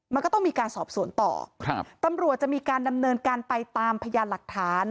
มันก็ต้องมีการสอบสวนต่อครับตำรวจจะมีการดำเนินการไปตามพยานหลักฐาน